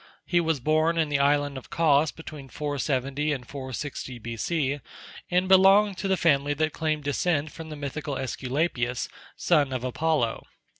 He was born in the island of Cos between 470 and 460 B.C., and belonged to the family that claimed descent from the mythical Æsculapius, son of Apollo.